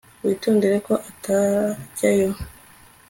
Witondere ko atajyayo